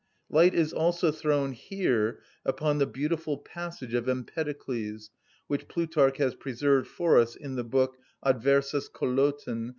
Light is also thrown here upon the beautiful passage of Empedocles which Plutarch has preserved for us in the book, "Adversus Coloten," c.